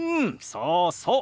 そうそう。